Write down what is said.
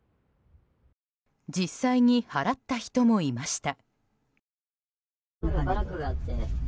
実際に払った人もいました。